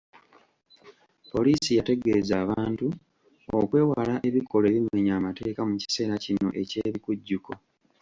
Poliisi yategeeza abantu okwewala ebikolwa ebimenya amateeka mu kiseera kino eky'ebikujjukko.